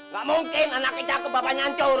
gak mungkin anak kita kebaba nyancur